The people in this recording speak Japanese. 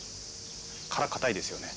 殻硬いですよね。